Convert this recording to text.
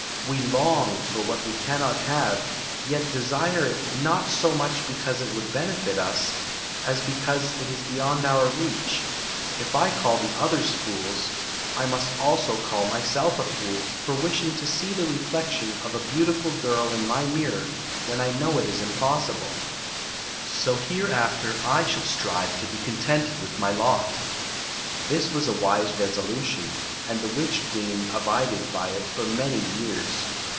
We long for what we cannot have, yet desire it not so much because it would bbneBt us, as because it is beyond our reach. If I call the others fools, I must also call myself a Story of the Magic Cloak ,97 fool for wishing to see the reflection of a beautiful girl in my mirror when I know it is impossible. So hereafter I shall strive to be contented with my lot" This was a wise resolution, and the witch<iucen abided by it for many years.